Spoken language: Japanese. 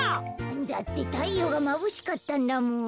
だってたいようがまぶしかったんだもん。